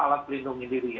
alat pelindung diri